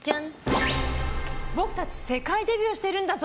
僕たち世界デビューしてるんだぞ！